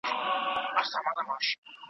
خلګ له ډېر پخوا څخه د ښه ژوندانه لپاره هڅه کوي.